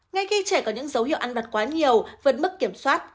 ngay khi trẻ có những dấu hiệu ăn vặt quá nhiều vượt mức kiểm soát